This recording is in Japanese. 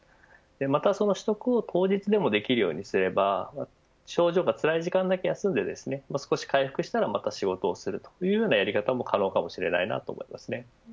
また、その取得を当日でもできるようにすれば症状がつらい時間だけ休んで少し回復したらまた仕事をするというようなやり方も可能かもしれないなと思います。